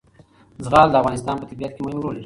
زغال د افغانستان په طبیعت کې مهم رول لري.